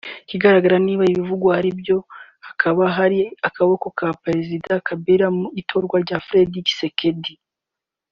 Ikigaragara n’uko niba ibivugwa ari byo hakaba hari akaboko ka Perezida Kabila mu itorwa rya Félix Tshisekedi